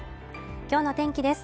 今日の天気です。